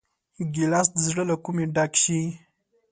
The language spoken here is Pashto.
ګیلاس د زړه له کومي ډک شي.